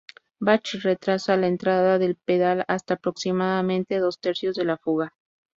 Bach retrasa la entrada del pedal hasta aproximadamente dos tercios de la fuga.